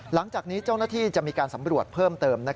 หลังจากนี้เจ้าหน้าที่จะมีการสำรวจเพิ่มเติม